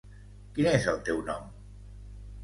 Quin és el teu nom?